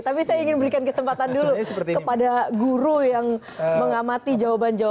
tapi saya ingin berikan kesempatan dulu kepada guru yang mengamati jawaban jawaban